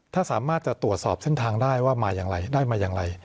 ถ้าสามารถจะตรวจสอบเส้นทางได้ว่ามาอย่างไรได้มาอย่างไร